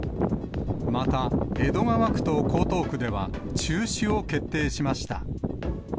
また、江戸川区と江東区では中止を決定しました。